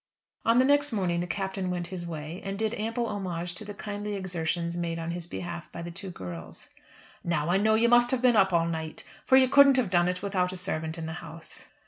On the next morning the Captain went his way, and did ample homage to the kindly exertions made on his behalf by the two girls. "Now I know you must have been up all night, for you couldn't have done it all without a servant in the house."